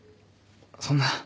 そんな。